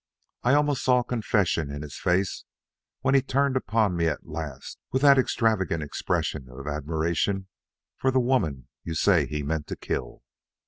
I almost saw confession in his face when he turned upon me at last with that extravagant expression of admiration for the woman you say he meant to kill."